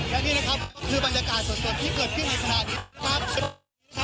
และนี่นะครับก็คือบรรยากาศสดที่เกิดขึ้นในขณะนี้ครับ